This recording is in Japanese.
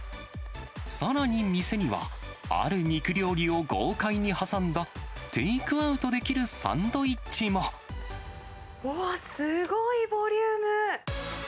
さらに店には、ある肉料理を豪快に挟んだ、テイクアウトできるサンドイッチうわ、すごいボリューム。